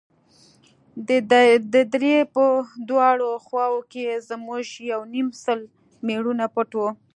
د درې په دواړو خواوو کښې زموږ يو يونيم سل مېړونه پټ وو.